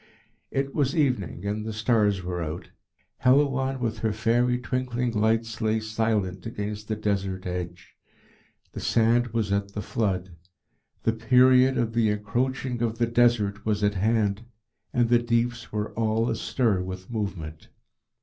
It was evening and the stars were out. Helouan, with her fairy twinkling lights, lay silent against the Desert edge. The sand was at the flood. The period of the Encroaching of the Desert was at hand, and the deeps were all astir with movement.